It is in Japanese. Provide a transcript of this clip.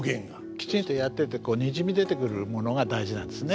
きちんとやっててにじみ出てくるものが大事なんですね。